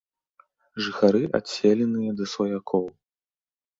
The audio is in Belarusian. Жыхары адселеныя да сваякоў.